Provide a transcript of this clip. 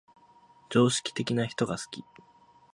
常識的な人が好き